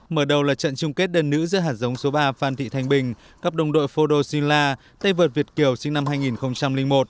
mở đầu là trận chung kết đơn nữ giữa hạt giống số ba phan thị thanh bình gặp đồng đội phô đô sinh la tây vợt việt kiều sinh năm hai nghìn một